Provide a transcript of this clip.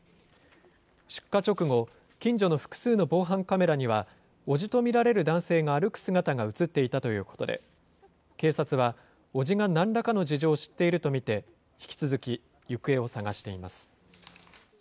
出火直後、近所の複数の防犯カメラには、伯父と見られる男性が歩く姿が写っていたということで、警察は、伯父がなんらかの事情を知っていると見て、引き続き行方を捜しています。